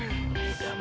mama tenang aja